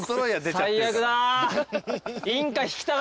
最悪だ。